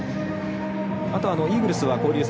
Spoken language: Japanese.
あとはイーグルスは交流戦